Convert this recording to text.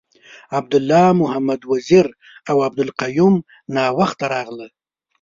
عبید الله محمد وزیر اوعبدالقیوم ناوخته راغله .